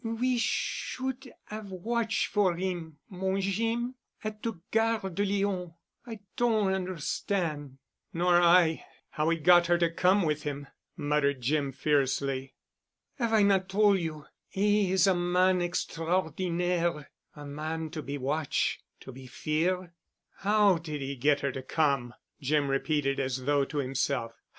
"We should 'ave watch' for 'im, mon Jeem—at de Gare de Lyon. I don' on'erstan'——" "Nor I—how he got her to come with him," muttered Jim fiercely. "'Ave I not tol' you 'e is a man extraordinaire—a man to be watch'—to be fear'——?" "How did he get her to come?" Jim repeated, as though to himself.